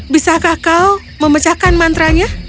bisakah kau memecahkan mantra nya